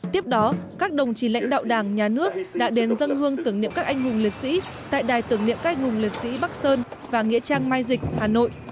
tiếp đó các đồng chí lãnh đạo đảng nhà nước đã đến dân hương tưởng niệm các anh hùng liệt sĩ tại đài tưởng niệm các anh hùng liệt sĩ bắc sơn và nghĩa trang mai dịch hà nội